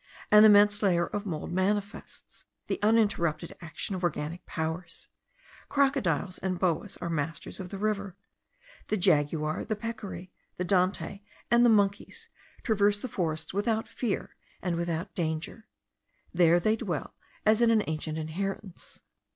An immense layer of mould manifests the uninterrupted action of organic powers. Crocodiles and boas are masters of the river; the jaguar, the peccary, the dante, and the monkeys traverse the forest without fear and without danger; there they dwell as in an ancient inheritance.